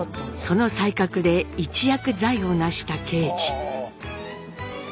その才覚で一躍財を成した敬次。